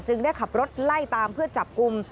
ได้ขับรถไล่ตามเพื่อจับกลุ่ม